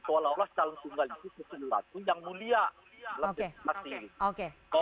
seolah olah calon tunggal itu sesuatu yang mulia dalam demokrasi